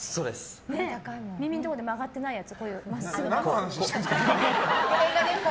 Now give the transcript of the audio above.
耳のところで曲がってないやつ。